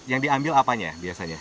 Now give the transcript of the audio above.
yang diambil apanya biasanya